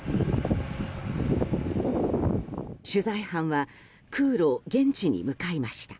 取材班は空路、現地に向かいました。